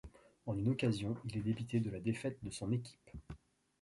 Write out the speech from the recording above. En une occasion, il est débité de la défaite de son équipe.